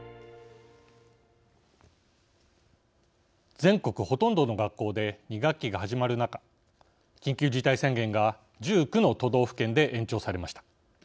全国ほとんどの学校で２学期が始まる中緊急事態宣言が１９の都道府県で延長されました。